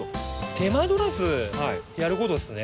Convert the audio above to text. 手間取らずやることですね。